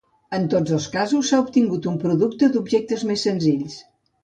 En tots dos casos, s'ha obtingut un producte d'objectes més senzills.